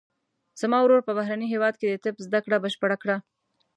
زما ورور په بهرني هیواد کې د طب زده کړه بشپړه کړه